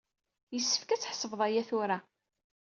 Yessefk ad tḥebseḍ aya tura.